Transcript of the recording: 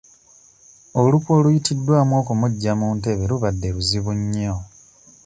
Olukwe oluyitiddwamu okumuggya mu ntebe lubadde luzibu nnyo.